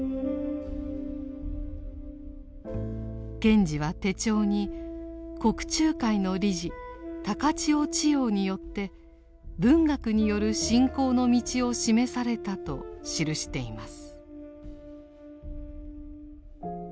賢治は手帳に国柱会の理事高知尾智耀によって文学による信仰の道を示されたと記しています。